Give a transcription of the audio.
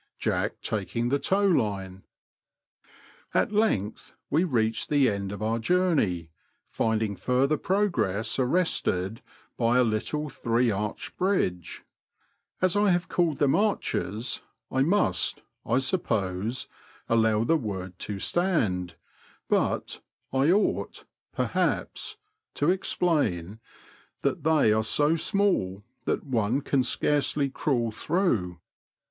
Jack taking the tow line. At length we reached the end of our journey, finding further progress arrested by a little three arched bridge. As I have called them arches, I must, I suppose, allow the Digitized by VjOOQIC WAXHAM TO PALLING. 85 word to stand, but, I ought, perhaps, to explain, that they are so small that one can scarcely crawl through.